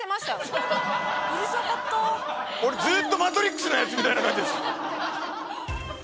俺ずっと『マトリックス』のヤツみたいな感じでした。